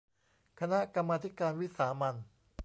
คณะกรรมาธิการวิสามัญ